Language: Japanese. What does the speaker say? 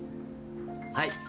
はい！